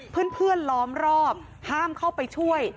เพื่อนล้อมรอบห้ามเข้าไปช่วย